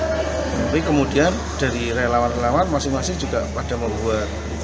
tapi kemudian dari relawan relawan masing masing juga pada membuat